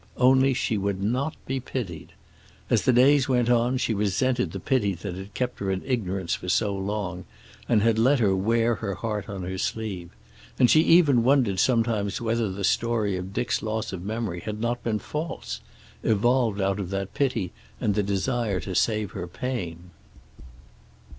Only, she would not be pitied. As the days went on she resented the pity that had kept her in ignorance for so long, and had let her wear her heart on her sleeve; and she even wondered sometimes whether the story of Dick's loss of memory had not been false, evolved out of that pity and the desire to save her pain.